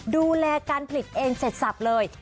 ดูแลการผลิตเองเสร็จสับเลย